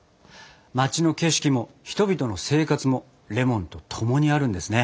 街の景色も人々の生活もレモンと共にあるんですね。